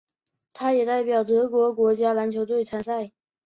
他也代表德国国家篮球队参赛。